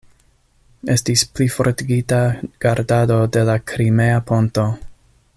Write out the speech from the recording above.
Estis plifortigita gardado de la Krimea ponto.